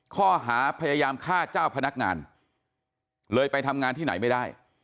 ข้อหาพยายามฆ่าเจ้าพนักงานเลยไปทำงานที่ไหนไม่ได้